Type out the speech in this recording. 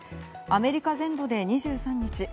アメリカ全土で２３日